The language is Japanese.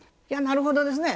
なるほどですね。